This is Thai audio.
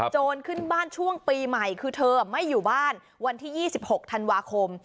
จนขึ้นบ้านช่วงปีใหม่คือเธอไม่อยู่บ้านวันที่๒๖ธันวาคม